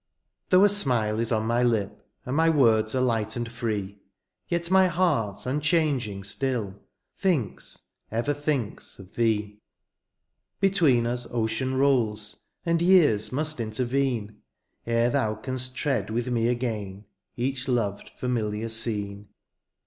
Though a smile is on my lip^ And my words are light and free^ Yet my heart imchanging stilly Thinks, ever thinks of thee. Between us ocean rolls ; And years must intervene Ere thou canst tread with me again Each loved familiar scene. 184 SONG.